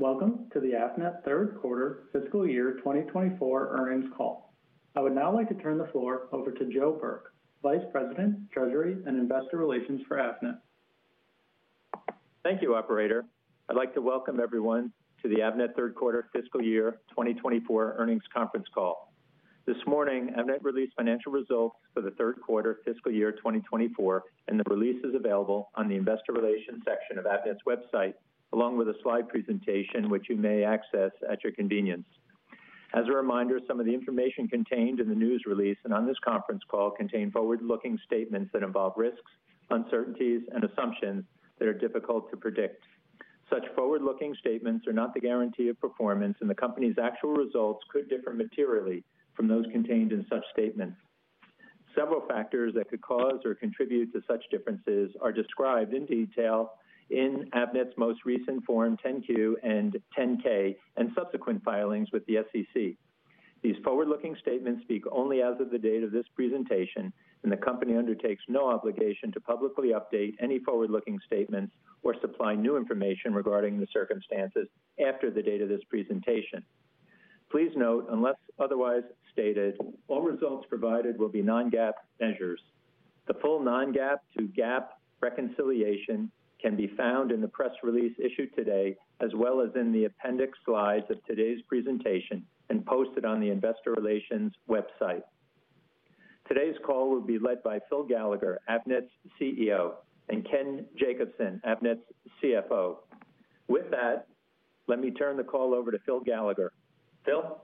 Welcome to the Avnet third quarter fiscal year 2024 earnings call. I would now like to turn the floor over to Joe Burke, Vice President, Treasury and Investor Relations for Avnet. Thank you, operator. I'd like to welcome everyone to the Avnet third quarter fiscal year 2024 earnings conference call. This morning, Avnet released financial results for the third quarter fiscal year 2024, and the release is available on the investor relations section of Avnet's website, along with a slide presentation, which you may access at your convenience. As a reminder, some of the information contained in the news release and on this conference call contain forward-looking statements that involve risks, uncertainties, and assumptions that are difficult to predict. Such forward-looking statements are not the guarantee of performance, and the company's actual results could differ materially from those contained in such statements. Several factors that could cause or contribute to such differences are described in detail in Avnet's most recent Form 10-Q and 10-K, and subsequent filings with the SEC. These forward-looking statements speak only as of the date of this presentation, and the company undertakes no obligation to publicly update any forward-looking statements or supply new information regarding the circumstances after the date of this presentation. Please note, unless otherwise stated, all results provided will be Non-GAAP measures. The full Non-GAAP to GAAP reconciliation can be found in the press release issued today, as well as in the appendix slides of today's presentation, and posted on the investor relations website. Today's call will be led by Phil Gallagher, Avnet's CEO, and Ken Jacobson, Avnet's CFO. With that, let me turn the call over to Phil Gallagher. Phil?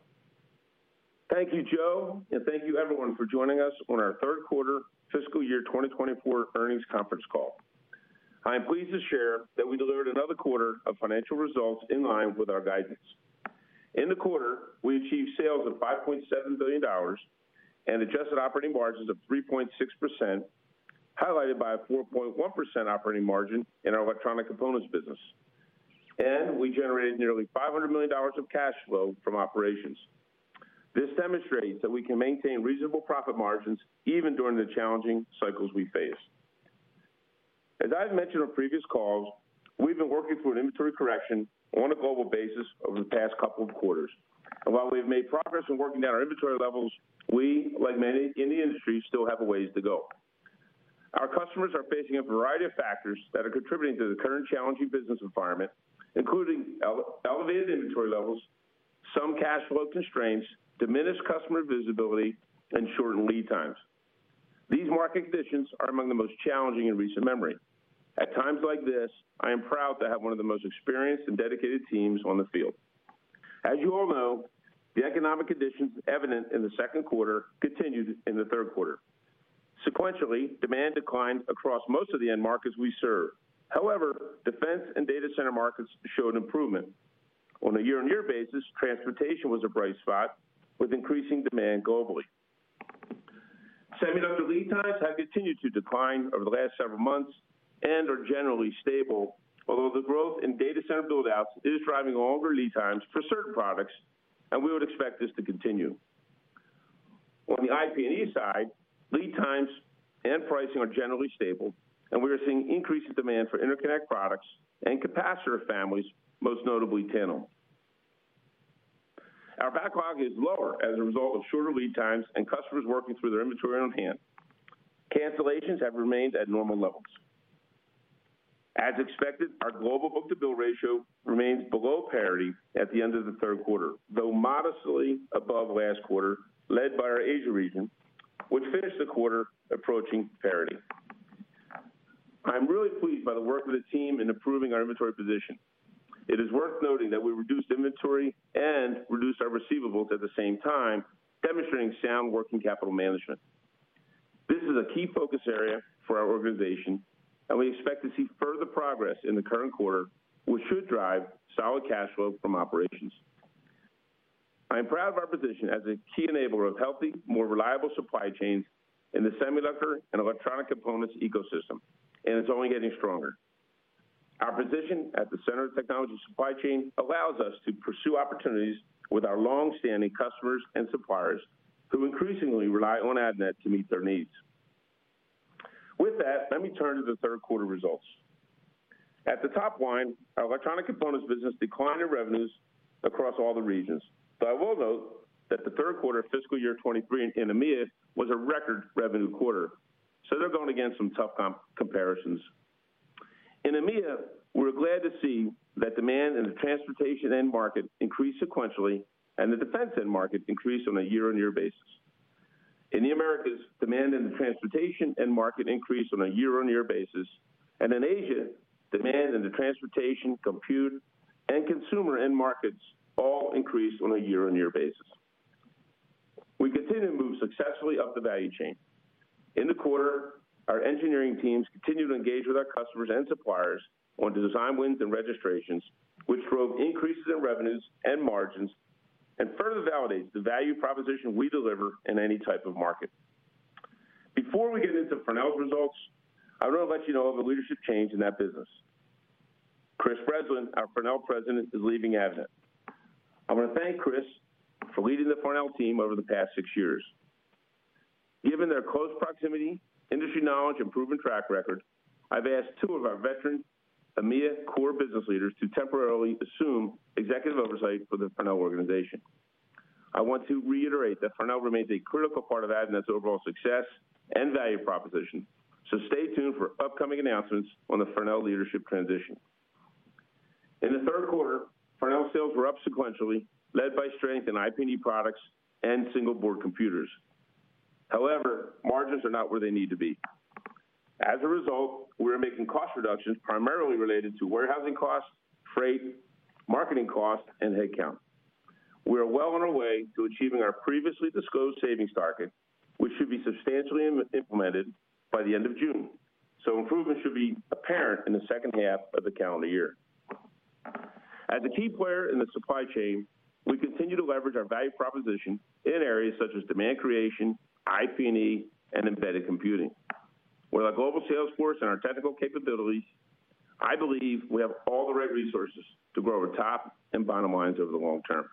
Thank you, Joe, and thank you everyone for joining us on our third quarter fiscal year 2024 earnings conference call. I am pleased to share that we delivered another quarter of financial results in line with our guidance. In the quarter, we achieved sales of $5.7 billion and adjusted operating margins of 3.6%, highlighted by a 4.1% operating margin in our electronic components business. We generated nearly $500 million of cash flow from operations. This demonstrates that we can maintain reasonable profit margins even during the challenging cycles we face. As I've mentioned on previous calls, we've been working through an inventory correction on a global basis over the past couple of quarters. While we've made progress in working down our inventory levels, we, like many in the industry, still have a ways to go. Our customers are facing a variety of factors that are contributing to the current challenging business environment, including elevated inventory levels, some cash flow constraints, diminished customer visibility, and shortened lead times. These market conditions are among the most challenging in recent memory. At times like this, I am proud to have one of the most experienced and dedicated teams on the field. As you all know, the economic conditions evident in the second quarter continued in the third quarter. Sequentially, demand declined across most of the end markets we serve. However, defense and data center markets showed improvement. On a year-on-year basis, transportation was a bright spot, with increasing demand globally. Semiconductor lead times have continued to decline over the last several months and are generally stable, although the growth in data center buildouts is driving longer lead times for certain products, and we would expect this to continue. On the IP&E side, lead times and pricing are generally stable, and we are seeing increasing demand for interconnect products and capacitor families, most notably tantalum. Our backlog is lower as a result of shorter lead times and customers working through their inventory on hand. Cancellations have remained at normal levels. As expected, our global book-to-bill ratio remains below parity at the end of the third quarter, though modestly above last quarter, led by our Asia region, which finished the quarter approaching parity. I'm really pleased by the work of the team in improving our inventory position. It is worth noting that we reduced inventory and reduced our receivables at the same time, demonstrating sound working capital management. This is a key focus area for our organization, and we expect to see further progress in the current quarter, which should drive solid cash flow from operations. I am proud of our position as a key enabler of healthy, more reliable supply chains in the semiconductor and electronic components ecosystem, and it's only getting stronger. Our position at the center of technology supply chain allows us to pursue opportunities with our long-standing customers and suppliers, who increasingly rely on Avnet to meet their needs. With that, let me turn to the third quarter results. At the top line, our electronic components business declined in revenues across all the regions, but I will note that the third quarter of fiscal year 2023 in EMEA was a record revenue quarter. They're going against some tough comparisons. In EMEA, we're glad to see that demand in the transportation end market increased sequentially, and the defense end market increased on a year-on-year basis. In the Americas, demand in the transportation end market increased on a year-over-year basis, and in Asia, demand in the transportation, compute, and consumer end markets all increased on a year-over-year basis. We continue to move successfully up the value chain. In the quarter, our engineering teams continued to engage with our customers and suppliers on design wins and registrations, which drove increases in revenues and margins and further validates the value proposition we deliver in any type of market. Before we get into Farnell's results, I want to let you know of a leadership change in that business. Chris Breslin, our Farnell President, is leaving Avnet. I want to thank Chris for leading the Farnell team over the past six years... Given their close proximity, industry knowledge, and proven track record, I've asked two of our veteran EMEA core business leaders to temporarily assume executive oversight for the Farnell organization. I want to reiterate that Farnell remains a critical part of Avnet's overall success and value proposition, so stay tuned for upcoming announcements on the Farnell leadership transition. In the third quarter, Farnell sales were up sequentially, led by strength in IP&E products and single board computers. However, margins are not where they need to be. As a result, we are making cost reductions primarily related to warehousing costs, freight, marketing costs, and headcount. We are well on our way to achieving our previously disclosed savings target, which should be substantially implemented by the end of June, so improvement should be apparent in the second half of the calendar year. As a key player in the supply chain, we continue to leverage our value proposition in areas such as demand creation, IP&E, and embedded computing. With our global sales force and our technical capabilities, I believe we have all the right resources to grow our top and bottom lines over the long term.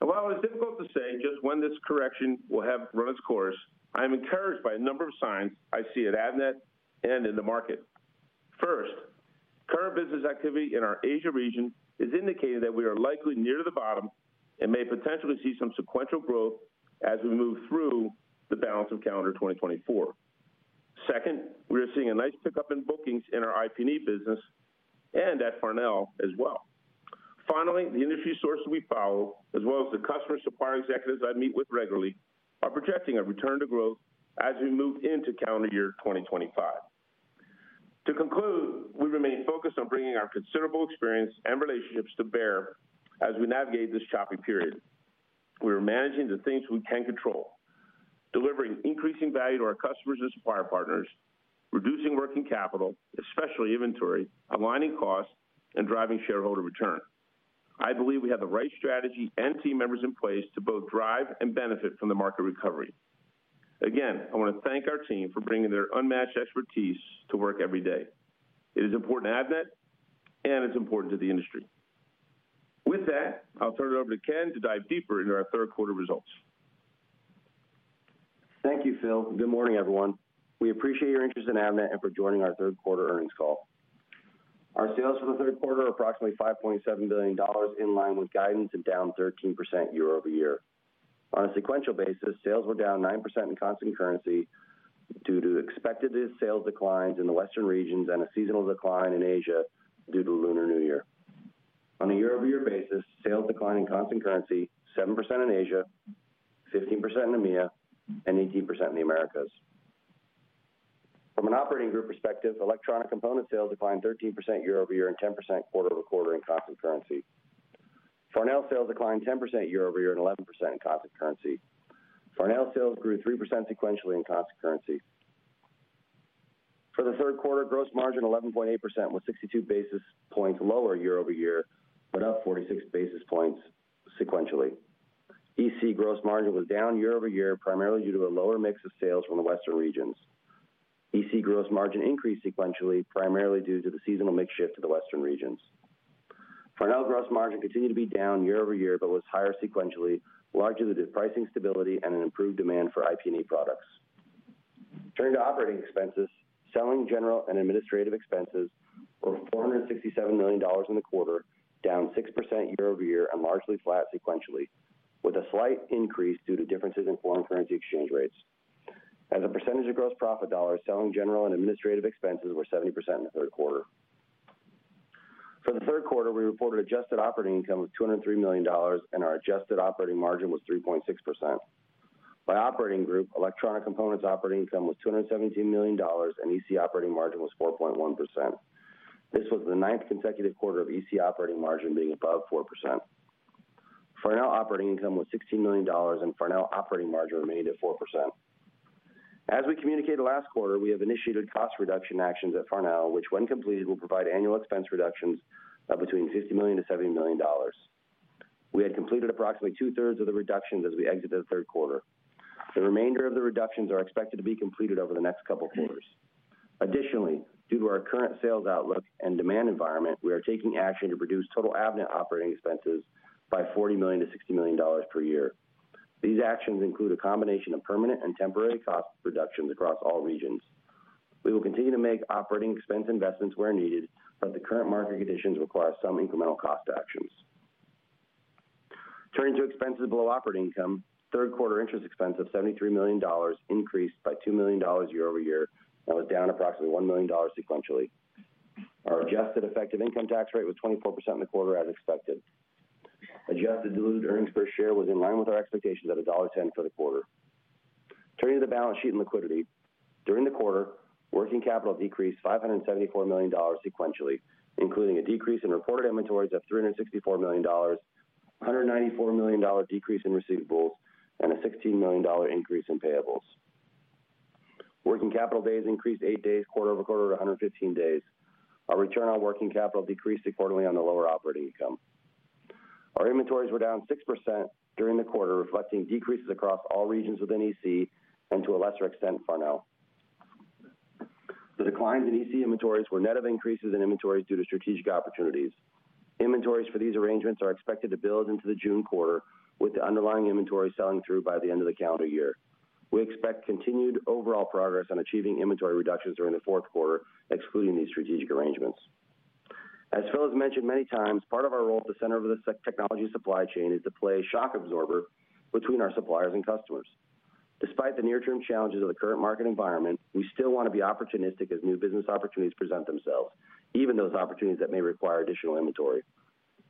While it's difficult to say just when this correction will have run its course, I'm encouraged by a number of signs I see at Avnet and in the market. First, current business activity in our Asia region is indicating that we are likely near the bottom and may potentially see some sequential growth as we move through the balance of calendar 2024. Second, we are seeing a nice pickup in bookings in our IP&E business and at Farnell as well. Finally, the industry sources we follow, as well as the customer supplier executives I meet with regularly, are projecting a return to growth as we move into calendar year 2025. To conclude, we remain focused on bringing our considerable experience and relationships to bear as we navigate this choppy period. We are managing the things we can control, delivering increasing value to our customers and supplier partners, reducing working capital, especially inventory, aligning costs, and driving shareholder return. I believe we have the right strategy and team members in place to both drive and benefit from the market recovery. Again, I want to thank our team for bringing their unmatched expertise to work every day. It is important to Avnet, and it's important to the industry. With that, I'll turn it over to Ken to dive deeper into our third quarter results. Thank you, Phil. Good morning, everyone. We appreciate your interest in Avnet and for joining our third quarter earnings call. Our sales for the third quarter are approximately $5.7 billion, in line with guidance and down 13% year-over-year. On a sequential basis, sales were down 9% in constant currency due to expected sales declines in the Western regions and a seasonal decline in Asia due to Lunar New Year. On a year-over-year basis, sales declined in constant currency, 7% in Asia, 15% in EMEA, and 18% in the Americas. From an operating group perspective, electronic component sales declined 13% year-over-year and 10% quarter-over-quarter in constant currency. Farnell sales declined 10% year-over-year and 11% in constant currency. Farnell sales grew 3% sequentially in constant currency. For the third quarter, gross margin 11.8%, was 62 basis points lower year-over-year, but up 46 basis points sequentially. EC gross margin was down year-over-year, primarily due to a lower mix of sales from the Western regions. EC gross margin increased sequentially, primarily due to the seasonal mix shift to the Western regions. Farnell gross margin continued to be down year-over-year, but was higher sequentially, largely due to pricing stability and an improved demand for IP&E products. Turning to operating expenses, selling, general, and administrative expenses were $467 million in the quarter, down 6% year-over-year and largely flat sequentially, with a slight increase due to differences in foreign currency exchange rates. As a percentage of gross profit dollars, selling general and administrative expenses were 70% in the third quarter. For the third quarter, we reported adjusted operating income of $203 million, and our adjusted operating margin was 3.6%. By operating group, electronic components operating income was $217 million, and EC operating margin was 4.1%. This was the ninth consecutive quarter of EC operating margin being above 4%. Farnell operating income was $16 million, and Farnell operating margin remained at 4%. As we communicated last quarter, we have initiated cost reduction actions at Farnell, which when completed, will provide annual expense reductions of between $50 million-$70 million. We had completed approximately two-thirds of the reductions as we exited the third quarter. The remainder of the reductions are expected to be completed over the next couple of quarters. Additionally, due to our current sales outlook and demand environment, we are taking action to reduce total Avnet operating expenses by $40 million-$60 million per year. These actions include a combination of permanent and temporary cost reductions across all regions. We will continue to make operating expense investments where needed, but the current market conditions require some incremental cost actions. Turning to expenses below operating income, third quarter interest expense of $73 million increased by $2 million year-over-year and was down approximately $1 million sequentially. Our adjusted effective income tax rate was 24% in the quarter, as expected. Adjusted diluted earnings per share was in line with our expectations at $1.10 for the quarter. Turning to the balance sheet and liquidity. During the quarter, working capital decreased $574 million sequentially, including a decrease in reported inventories of $364 million, $194 million decrease in receivables, and a $16 million increase in payables. Working capital days increased 8 days quarter-over-quarter to 115 days. Our return on working capital decreased quarterly on the lower operating income. Our inventories were down 6% during the quarter, reflecting decreases across all regions within EC and to a lesser extent, Farnell. The declines in EC inventories were net of increases in inventories due to strategic opportunities. Inventories for these arrangements are expected to build into the June quarter, with the underlying inventory selling through by the end of the calendar year. We expect continued overall progress on achieving inventory reductions during the fourth quarter, excluding these strategic arrangements. As Phil has mentioned many times, part of our role at the center of the technology supply chain is to play a shock absorber between our suppliers and customers. Despite the near-term challenges of the current market environment, we still want to be opportunistic as new business opportunities present themselves, even those opportunities that may require additional inventory.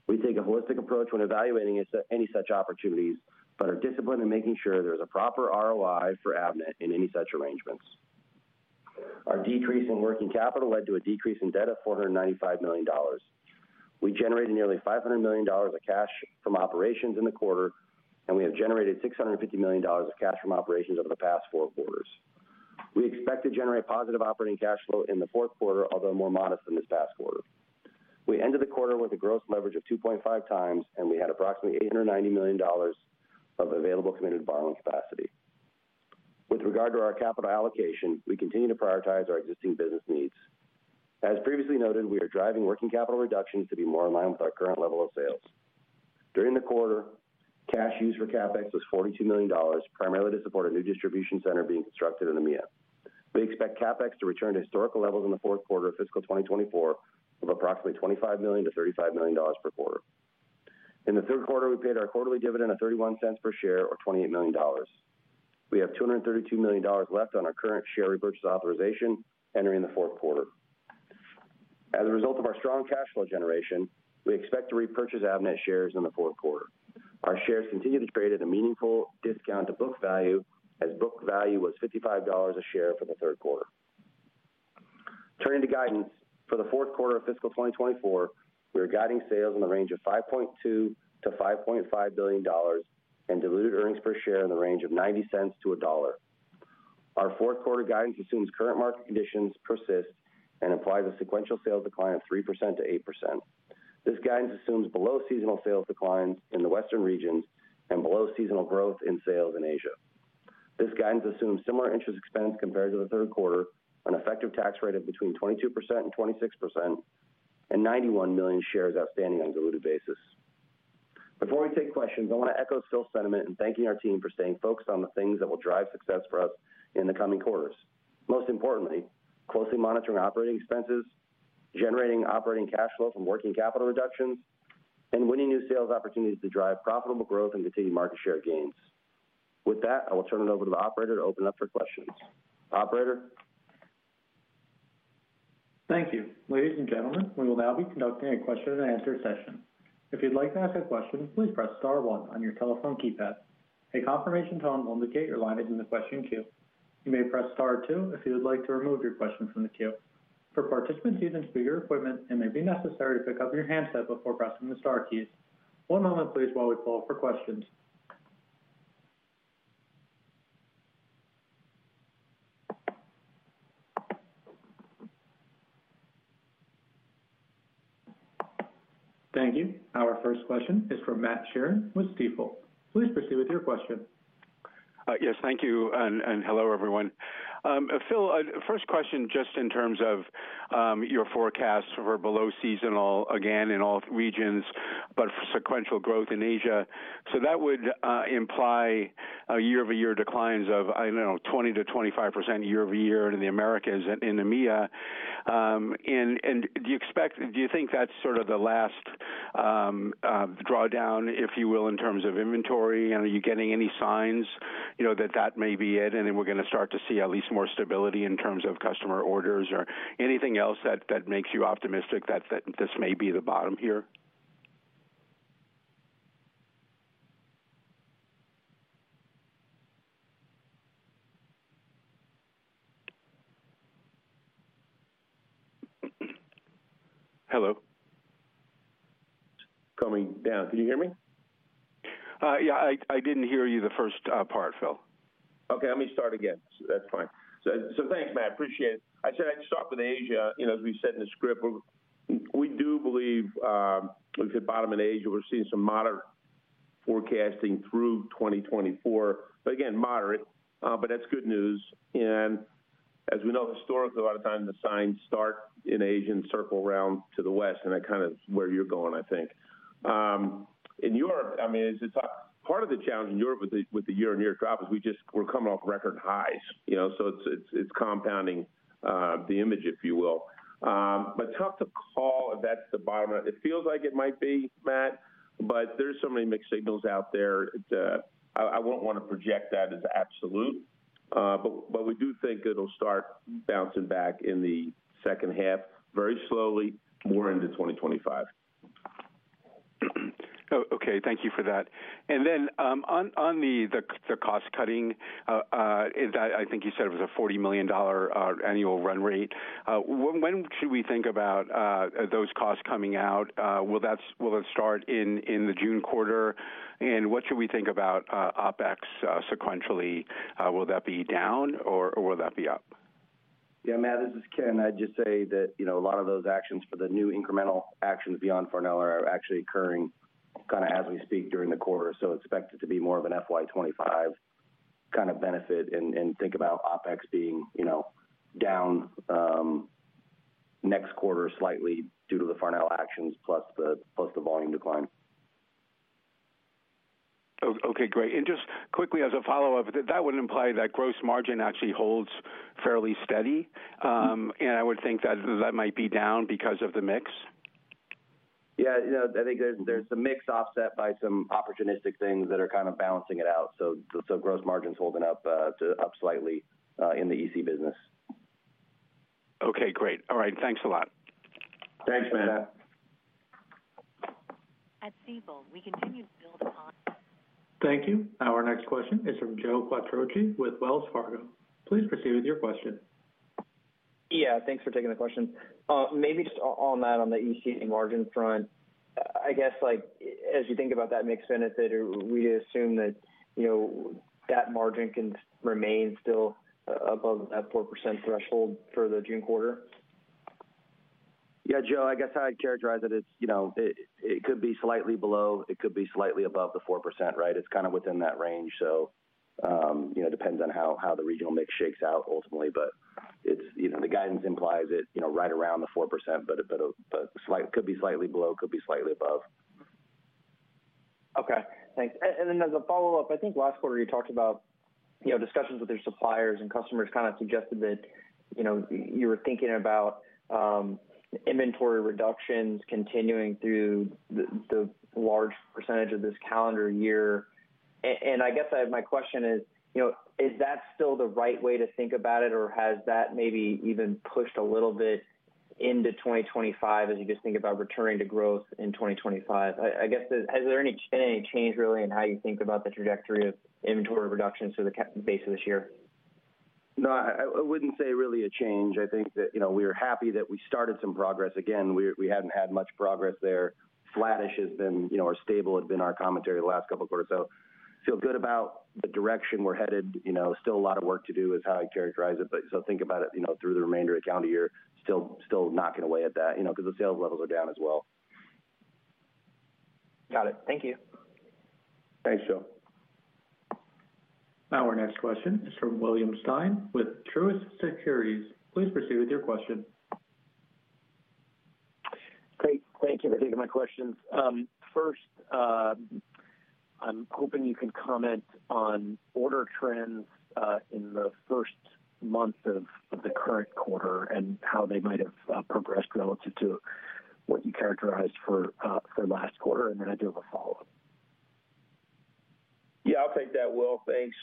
We take a holistic approach when evaluating any such opportunities, but are disciplined in making sure there's a proper ROI for Avnet in any such arrangements. Our decrease in working capital led to a decrease in debt of $495 million. We generated nearly $500 million of cash from operations in the quarter, and we have generated $650 million of cash from operations over the past four quarters. We expect to generate positive operating cash flow in the fourth quarter, although more modest than this past quarter. We ended the quarter with a gross leverage of 2.5 times, and we had approximately $890 million of available committed borrowing capacity. With regard to our capital allocation, we continue to prioritize our existing business needs. As previously noted, we are driving working capital reductions to be more in line with our current level of sales. During the quarter, cash used for CapEx was $42 million, primarily to support a new distribution center being constructed in EMEA. We expect CapEx to return to historical levels in the fourth quarter of fiscal 2024, of approximately $25 million-$35 million per quarter. In the third quarter, we paid our quarterly dividend of $0.31 per share, or $28 million. We have $232 million left on our current share repurchase authorization entering the fourth quarter. As a result of our strong cash flow generation, we expect to repurchase Avnet shares in the fourth quarter. Our shares continue to trade at a meaningful discount to book value, as book value was $55 a share for the third quarter. Turning to guidance, for the fourth quarter of fiscal 2024, we are guiding sales in the range of $5.2 billion-$5.5 billion, and diluted earnings per share in the range of $0.90-$1.00. Our fourth quarter guidance assumes current market conditions persist and applies a sequential sales decline of 3%-8%. This guidance assumes below seasonal sales declines in the Western regions and below seasonal growth in sales in Asia. This guidance assumes similar interest expense compared to the third quarter, an effective tax rate of between 22% and 26%, and 91 million shares outstanding on diluted basis. Before we take questions, I want to echo Phil's sentiment in thanking our team for staying focused on the things that will drive success for us in the coming quarters. Most importantly, closely monitoring operating expenses, generating operating cash flow from working capital reductions, and winning new sales opportunities to drive profitable growth and continued market share gains. With that, I will turn it over to the operator to open up for questions. Operator? Thank you. Ladies and gentlemen, we will now be conducting a question-and-answer session. If you'd like to ask a question, please press star one on your telephone keypad. A confirmation tone will indicate your line is in the question queue. You may press star two if you would like to remove your question from the queue. For participants using speaker equipment, it may be necessary to pick up your handset before pressing the star keys. One moment, please, while we poll for questions. Thank you. Our first question is from Matt Sheerin with Stifel. Please proceed with your question. Yes, thank you, and hello, everyone. Phil, first question, just in terms of your forecasts were below seasonal, again, in all regions, but sequential growth in Asia. So that would imply a year-over-year decline of, I don't know, 20%-25% year-over-year in the Americas and in EMEA. And do you expect, do you think that's sort of the last drawdown, if you will, in terms of inventory? Are you getting any signs, you know, that that may be it, and then we're going to start to see at least more stability in terms of customer orders, or anything else that makes you optimistic that this may be the bottom here? Hello? Coming down. Can you hear me? Yeah, I didn't hear you the first part, Phil. Okay, let me start again. That's fine. So, thanks, Matt. Appreciate it. I said I'd start with Asia. You know, as we said in the script, we do believe we've hit bottom in Asia. We're seeing some moderate forecasting through 2024, but again, moderate, but that's good news. And as we know, historically, a lot of times the signs start in Asia, circle around to the West, and that kind of where you're going, I think. In Europe, I mean, it's part of the challenge in Europe with the year-on-year drop is we just, we're coming off record highs, you know, so it's compounding the image, if you will. But tough to call if that's the bottom. It feels like it might be, Matt, but there's so many mixed signals out there that I wouldn't want to project that as absolute. But we do think it'll start bouncing back in the second half, very slowly, more into 2025. Oh, okay. Thank you for that. And then, on the cost cutting, I think you said it was a $40 million annual run rate. When should we think about those costs coming out? Will it start in the June quarter? And what should we think about OpEx sequentially? Will that be down or will that be up? Yeah, Matt, this is Ken. I'd just say that, you know, a lot of those actions for the new incremental actions beyond Farnell are actually occurring. Kind of as we speak during the quarter, so expect it to be more of an FY 25 kind of benefit and think about OpEx being, you know, down next quarter slightly due to the Farnell actions plus the volume decline. Okay, great. Just quickly as a follow-up, that would imply that gross margin actually holds fairly steady? And I would think that that might be down because of the mix. Yeah, you know, I think there's the mix offset by some opportunistic things that are kind of balancing it out, so gross margin's holding up, too, up slightly in the EC business. Okay, great. All right. Thanks a lot. Thanks, Matt. Thank you. Our next question is from Joe Quatrochi with Wells Fargo. Please proceed with your question. Yeah, thanks for taking the question. Maybe just on that, on the EC margin front, I guess, like, as you think about that mix benefit, do we assume that, you know, that margin can remain still above that 4% threshold for the June quarter? Yeah, Joe, I guess I'd characterize it as, you know, it could be slightly below, it could be slightly above the 4%, right? It's kind of within that range. So, you know, depends on how the regional mix shakes out ultimately, but it's, you know, the guidance implies it, you know, right around the 4%, but slightly could be slightly below, could be slightly above. Okay, thanks. And then as a follow-up, I think last quarter you talked about, you know, discussions with your suppliers, and customers kind of suggested that, you know, you were thinking about inventory reductions continuing through the large percentage of this calendar year. And I guess my question is, you know, is that still the right way to think about it, or has that maybe even pushed a little bit into 2025 as you just think about returning to growth in 2025? I guess, has there been any change really in how you think about the trajectory of inventory reductions to the base of this year? No, I wouldn't say really a change. I think that, you know, we are happy that we started some progress. Again, we hadn't had much progress there. Flattish has been, you know, or stable has been our commentary the last couple of quarters. So feel good about the direction we're headed, you know, still a lot of work to do is how I'd characterize it. But so think about it, you know, through the remainder of the calendar year, still knocking away at that, you know, because the sales levels are down as well. Got it. Thank you. Thanks, Joe. Now our next question is from William Stein with Truist Securities. Please proceed with your question. Great. Thank you for taking my questions. First, I'm hoping you can comment on order trends in the first month of the current quarter and how they might have progressed relative to what you characterized for last quarter, and then I do have a follow-up. Yeah, I'll take that, Will, thanks.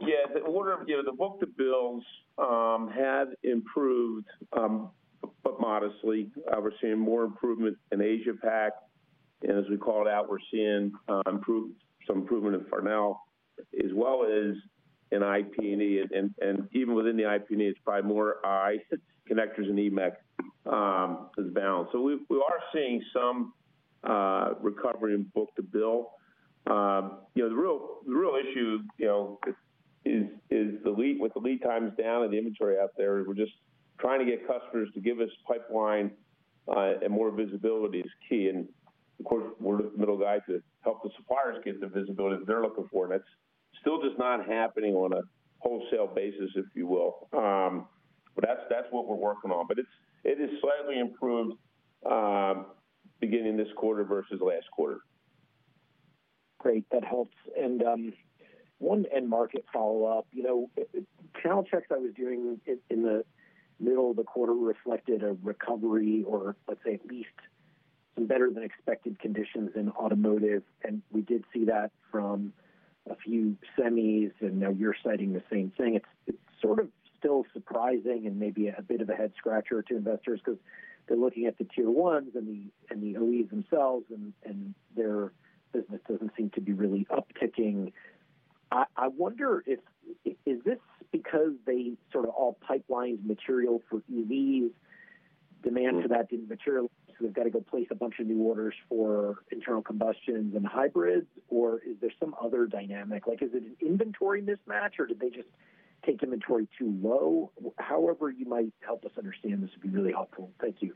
Yeah, the order, you know, the book-to-bill had improved, but modestly. We're seeing more improvement in Asia Pac, and as we call it out, we're seeing some improvement in Farnell as well as in IP&E. And even within the IP&E, it's probably more connectors and E-Mech as balanced. So we are seeing some recovery in book-to-bill. You know, the real issue is with the lead times down and the inventory out there, we're just trying to get customers to give us pipeline, and more visibility is key. And of course, we're the middle guy to help the suppliers get the visibility they're looking for, and it's still just not happening on a wholesale basis, if you will. But that's, that's what we're working on. But it has slightly improved, beginning this quarter versus last quarter. Great, that helps. One end market follow-up. You know, channel checks I was doing in the middle of the quarter reflected a recovery or let's say at least some better than expected conditions in automotive, and we did see that from a few semis, and now you're citing the same thing. It's sort of still surprising and maybe a bit of a head scratcher to investors because they're looking at the tier ones and the OEs themselves, and their business doesn't seem to be really upticking. I wonder if, is this because they sort of all pipelined material for EVs, demand for that didn't materialize, so they've got to go place a bunch of new orders for internal combustions and hybrids, or is there some other dynamic? Like is it an inventory mismatch, or did they just take inventory too low? However, you might help us understand this would be really helpful. Thank you.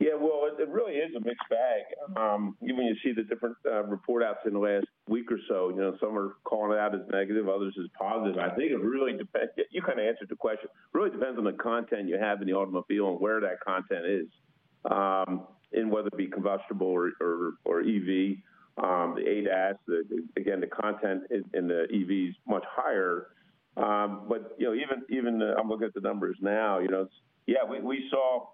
Yeah, well, it, it really is a mixed bag. Even you see the different report outs in the last week or so, you know, some are calling it out as negative, others as positive. I think it really depends... You kind of answered the question. It really depends on the content you have in the automobile and where that content is, and whether it be combustible or, or, or EV, the ADAS, the, again, the content in, in the EV is much higher. But you know, even, even the-- I'm looking at the numbers now, you know, it's... Yeah, we, we saw,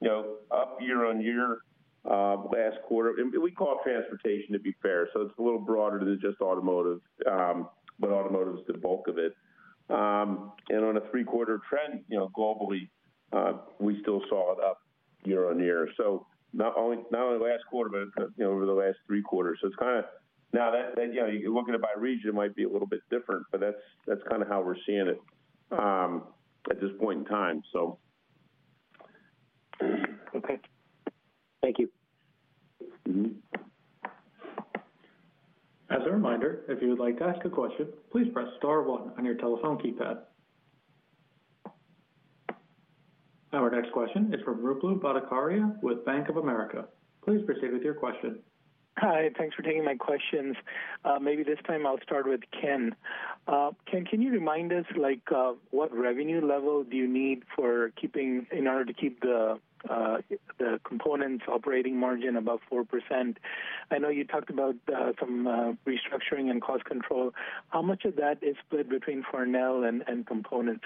you know, up year-on-year, last quarter, and we call it transportation, to be fair, so it's a little broader than just automotive, but automotive is the bulk of it. And on a three-quarter trend, you know, globally, we still saw it up year on year. So not only, not only the last quarter, but, you know, over the last three quarters. So it's kind of... Now that, that, you know, you're looking at by region, it might be a little bit different, but that's, that's kind of how we're seeing it, at this point in time, so. Okay. Thank you. As a reminder, if you would like to ask a question, please press star one on your telephone keypad. Our next question is from Ruplu Bhattacharya with Bank of America. Please proceed with your question. Hi, thanks for taking my questions. Maybe this time I'll start with Ken. Ken, can you remind us, like, what revenue level do you need for keeping in order to keep the, the components operating margin above 4%? I know you talked about, some, restructuring and cost control. How much of that is split between Farnell and, and components?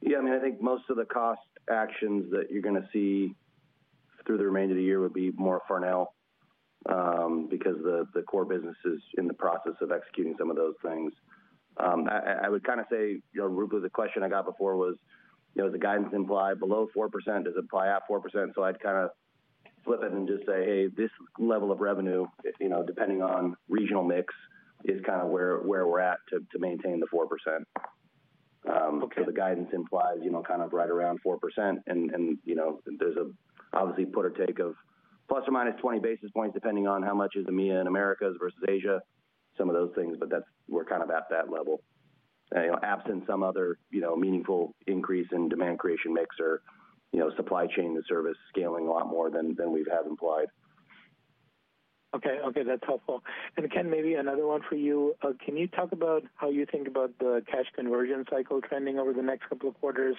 Yeah, I mean, I think most of the cost actions that you're gonna see through the remainder of the year would be more Farnell, because the core business is in the process of executing some of those things. I would kind of say, you know, Ruplu, the question I got before was, you know, the guidance implied below 4%, does it apply at 4%? So I'd kind of flip it and just say, hey, this level of revenue, you know, depending on regional mix, is kind of where we're at to maintain the 4%. Okay. So the guidance implies, you know, kind of right around 4%, and, and, you know, there's obviously a put or take of ±20 basis points, depending on how much is EMEA and Americas versus Asia, some of those things, but that's. We're kind of at that level. You know, absent some other, you know, meaningful increase in demand creation mix or, you know, supply chain and service scaling a lot more than, than we've have implied. Okay. Okay, that's helpful. And Ken, maybe another one for you. Can you talk about how you think about the cash conversion cycle trending over the next couple of quarters?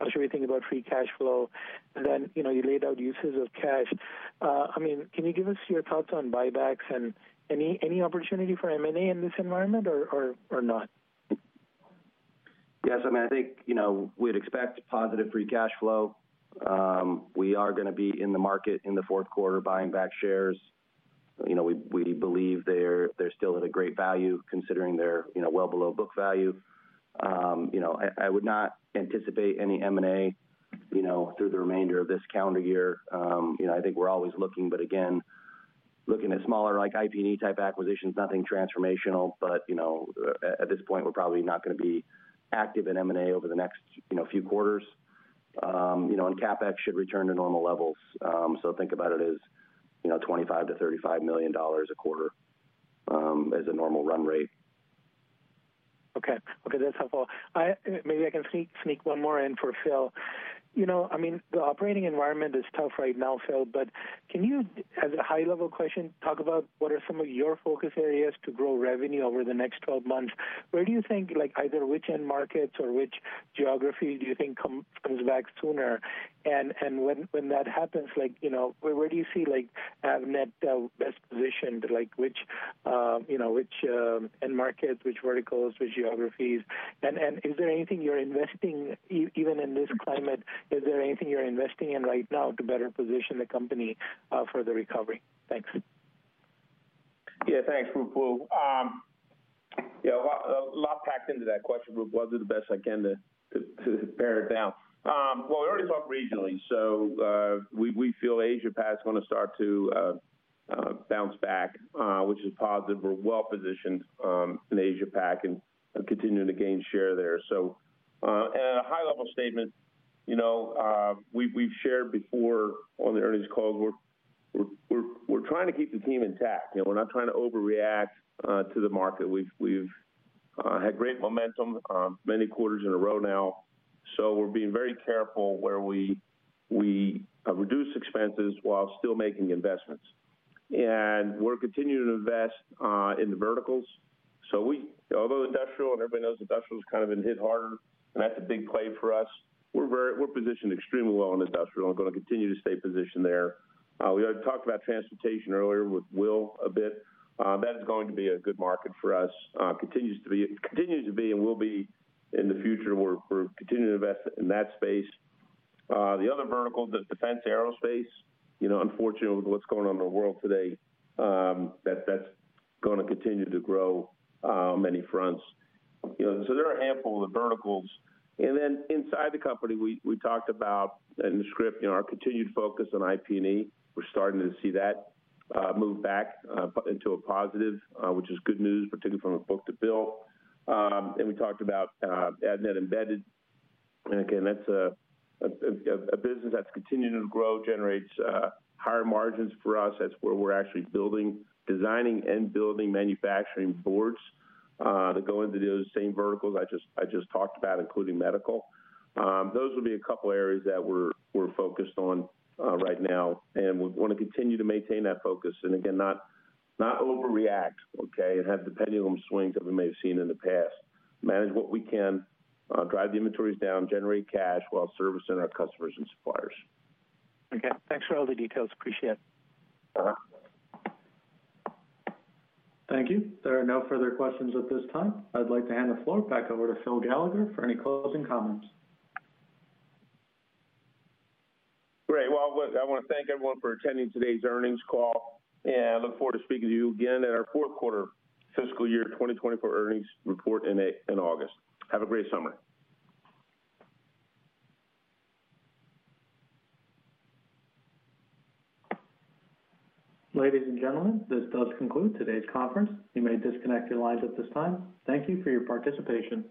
How should we think about free cash flow? And then, you know, you laid out uses of cash. I mean, can you give us your thoughts on buybacks and any opportunity for M&A in this environment or not? Yes, I mean, I think, you know, we'd expect positive free cash flow. We are gonna be in the market in the fourth quarter, buying back shares. You know, we, we believe they're, they're still at a great value, considering they're, you know, well below book value. You know, I, I would not anticipate any M&A, you know, through the remainder of this calendar year. You know, I think we're always looking, but again, looking at smaller, like, IP&E type acquisitions, nothing transformational. But, you know, at, at this point, we're probably not gonna be active in M&A over the next, you know, few quarters. You know, and CapEx should return to normal levels. So think about it as, you know, $25 million-$35 million a quarter, as a normal run rate. Okay. Okay, that's helpful. I maybe can sneak one more in for Phil. You know, I mean, the operating environment is tough right now, Phil, but can you, as a high-level question, talk about what are some of your focus areas to grow revenue over the next 12 months? Where do you think, like, either which end markets or which geography do you think comes back sooner? And when that happens, like, you know, where do you see, like, Avnet best positioned, like which, you know, which end markets, which verticals, which geographies? And is there anything you're investing even in this climate, is there anything you're investing in right now to better position the company for the recovery? Thanks. Yeah, thanks, Ruplu. Yeah, a lot, a lot packed into that question, Ruplu. I'll do the best I can to pare it down. Well, we already talked regionally, so we feel AsiaPac is gonna start to bounce back, which is positive. We're well positioned in AsiaPac and continuing to gain share there. So, and a high level statement, you know, we've shared before on the earnings call, we're trying to keep the team intact, and we're not trying to overreact to the market. We've had great momentum many quarters in a row now, so we're being very careful where we reduce expenses while still making investments. And we're continuing to invest in the verticals. So although industrial, and everybody knows industrial has kind of been hit harder, and that's a big play for us, we're positioned extremely well in industrial and going to continue to stay positioned there. We talked about transportation earlier with Will a bit. That is going to be a good market for us, continues to be and will be in the future. We're continuing to invest in that space. The other vertical, the defense aerospace, you know, unfortunately, with what's going on in the world today, that's gonna continue to grow on many fronts. You know, so there are ample of the verticals. And then inside the company, we talked about in the script, you know, our continued focus on IP&E. We're starting to see that move back into a positive, which is good news, particularly from a book-to-bill. And we talked about Avnet Embedded, and again, that's a business that's continuing to grow, generates higher margins for us. That's where we're actually building, designing and building manufacturing boards that go into those same verticals I just talked about, including medical. Those would be a couple areas that we're focused on right now, and we wanna continue to maintain that focus, and again, not overreact, okay, and have the pendulum swings that we may have seen in the past. Manage what we can, drive the inventories down, generate cash while servicing our customers and suppliers. Okay, thanks for all the details. Appreciate it. Uh-huh. Thank you. There are no further questions at this time. I'd like to hand the floor back over to Phil Gallagher for any closing comments. Great. Well, look, I want to thank everyone for attending today's earnings call, and I look forward to speaking to you again in our fourth quarter fiscal year 2024 earnings report in August. Have a great summer. Ladies and gentlemen, this does conclude today's conference. You may disconnect your lines at this time. Thank you for your participation.